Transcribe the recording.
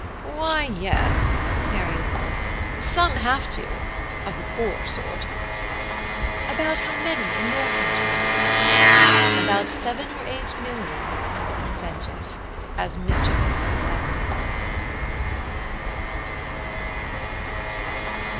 "Why, yes," Terry admitted. "Some have to, of the poorer sort." "About how many in your country?" "About seven or eight million," said Jeff, as mischievous as ever.